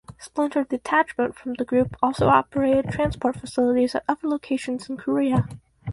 Splinter detachment from the group also operated transport facilities at other locations in Korea.